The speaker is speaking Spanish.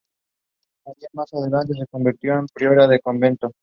María más adelante se convirtió en priora del convento.